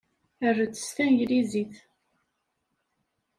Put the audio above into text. Err-d s tanglizit.